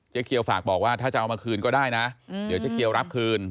เจ๊เกลฝากบอกว่าถ้าจะเอามาคืนก็ได้น่ะอืมเดี๋ยวเจ๊เกลรับคืน